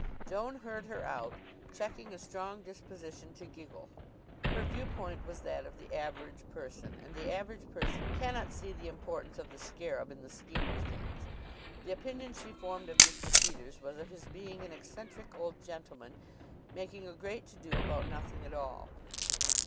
Joan heard her out, checking a strong disposition to giggle. Her viewpoint was that of the average person, and the average person cannot see the importance of the scarab in the scheme of things. The opinion she formed of Mr. Peters was of his being an eccentric old gentleman, making a great to do about nothing at all.